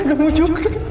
bayu nyari bapak